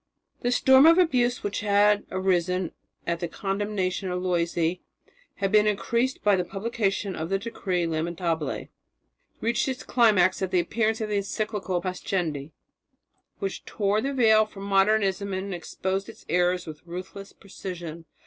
The storm of abuse which had arisen at the condemnation of Loisy, which had been increased by the publication of the decree "Lamentabili," reached its climax at the appearance of the encyclical "Pascendi," which tore the veil from Modernism and exposed its errors with ruthless precision.